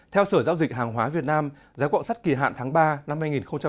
theo sở giao dịch hàng hóa việt nam giá quạng sắt kỳ hạn tháng ba năm hai nghìn hai mươi